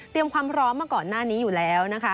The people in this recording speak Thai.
ความพร้อมมาก่อนหน้านี้อยู่แล้วนะคะ